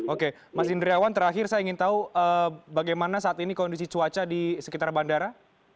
oke mas indriawan terakhir saya ingin tahu bagaimana saat ini kondisi cuaca di sekitar bandara